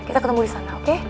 kita ketemu di sana oke